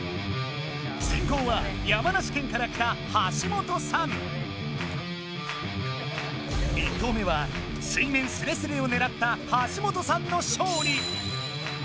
先攻は山梨県から来た１投目は水面スレスレをねらった橋本さんの勝利。